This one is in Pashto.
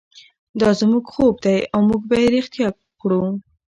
دا زموږ خوب دی او موږ به یې ریښتیا کړو.